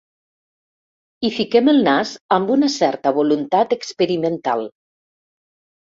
Hi fiquem el nas amb una certa voluntat experimental.